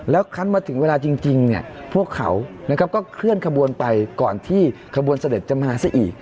แล้วคันมาถึงเวลาจริงเนี่ยพวกเขาก็เคลื่อนขบวนไปก่อนที่ขบวนเสด็จจะมาซะอีก